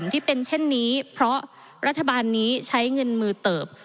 ที่เป็นเช่นนี้เพราะรัฐบาลนี้ใช้เงินมือเติบ